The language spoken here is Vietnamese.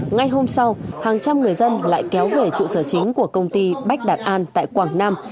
ngay hôm sau hàng trăm người dân lại kéo về trụ sở chính của công ty bách đạt an tại quảng nam